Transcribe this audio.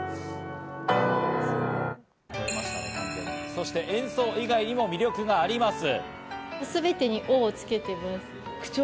そして演奏以外にも魅力があります。